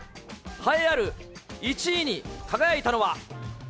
栄えある１位に輝いたのは。